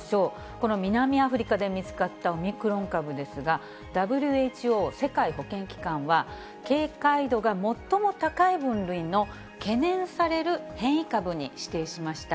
この南アフリカで見つかったオミクロン株ですが、ＷＨＯ・世界保健機関は、警戒度が最も高い分類の懸念される変異株に指定しました。